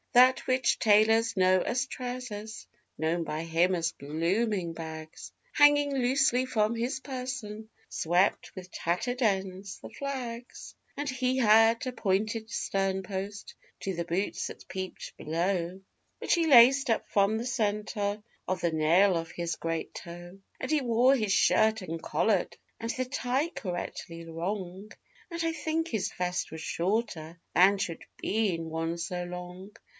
That which tailors know as 'trousers' known by him as 'bloomin' bags' Hanging loosely from his person, swept, with tattered ends, the flags; And he had a pointed sternpost to the boots that peeped below (Which he laced up from the centre of the nail of his great toe), And he wore his shirt uncollar'd, and the tie correctly wrong; But I think his vest was shorter than should be in one so long.